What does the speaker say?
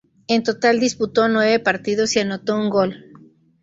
En total disputó nueve partidos y anotó un gol.